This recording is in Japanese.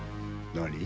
何？